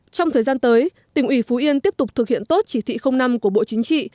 trong thời gian tới tỉnh ủy phú yên tiếp tục thực hiện tốt chỉ thị năm của bộ chính trị